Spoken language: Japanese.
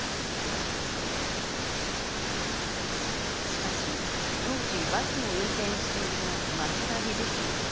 しかし当時バスを運転していた増田理事長は。